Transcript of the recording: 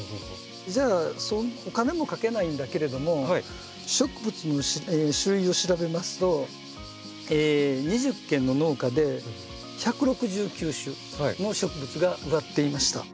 じゃあお金もかけないんだけれども植物の種類を調べますと２０軒の農家で１６９種の植物が植わっていました。